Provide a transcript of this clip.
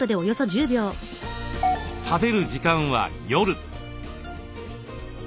食べる時間は夜。